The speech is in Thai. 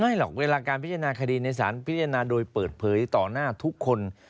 หรอกเวลาการพิจารณาคดีในสารพิจารณาโดยเปิดเผยต่อหน้าทุกคน